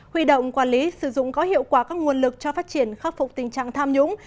huy động quản lý sử dụng có hiệu quả các nguồn lực cho phát triển khắc phục tình trạng tham nhũng